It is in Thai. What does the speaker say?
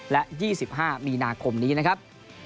และ๒๕มีนาคมนี้นะครับ